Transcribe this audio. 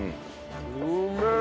うめえ！